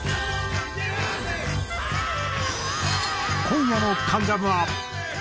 今夜の『関ジャム』は。